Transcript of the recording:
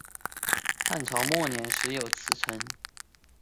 汉朝末年始有此称。